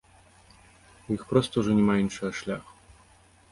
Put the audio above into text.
У іх проста ўжо няма іншага шляху.